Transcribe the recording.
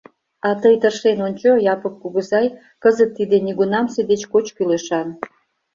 — А тый тыршен ончо, Япык кугызай, кызыт тиде нигунамсе деч коч кӱлешан.